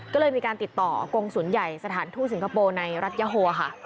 ก็เลยมีการติดต่อกรงศูนย์ใหญ่สถานทูตสิงคโปร์ในรัฐยาโฮค่ะ